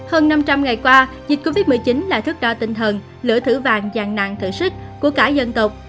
hơn năm trăm linh ngày qua dịch covid một mươi chín là thức đo tinh thần lửa thử vàng dàn nạn thử sức của cả dân tộc